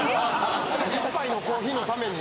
１杯のコーヒーの為に？